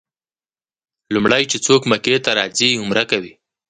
لومړی چې څوک مکې ته راځي عمره کوي.